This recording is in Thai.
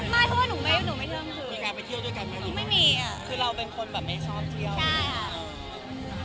แล้วมันมีวันนี้มีงานถึงไปเคลื่ยมบ้างมั้ย